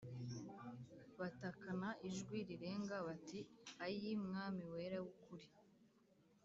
Batakana ijwi rirenga bati “Ayii Mwami wera w’ukuri!